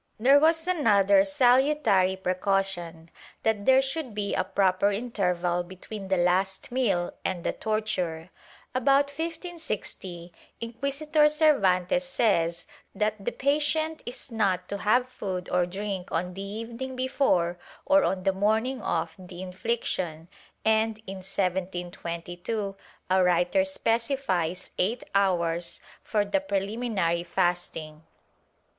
^ There was another salutary precaution — that there should be a proper interval between the last meal and the torture. About 1560, Inquisitor Cervantes says that the patient is not to have food or drink on the evening before or on the morning of the infliction and, in 1722, a writer specifies eight hours for the prehminary fasting.'